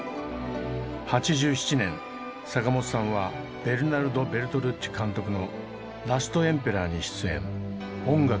８７年坂本さんはベルナルド・ベルトルッチ監督の「ラストエンペラー」に出演音楽を担当。